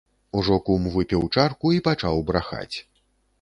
Ужо, кум, выпіў чарку і пачаў брахаць.